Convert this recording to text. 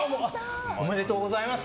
おめでとうございます。